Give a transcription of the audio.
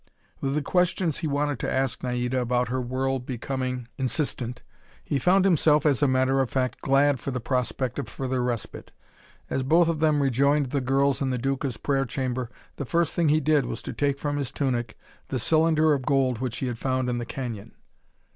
With the questions he wanted to ask Naida about her world becoming insistent, he found himself, as a matter of fact, glad for the prospect of further respite. As both of them rejoined the girls in the Duca's prayer chamber, the first thing he did was to take from his tunic the cylinder of gold which he had found in the canyon.